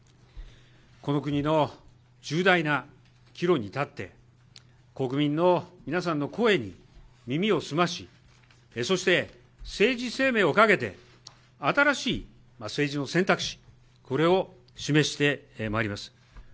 この国の重大な岐路に立って、国民の皆さんの声に耳を澄まし、そして政治生命をかけて、新しい政治の選択肢、これを示してまいります。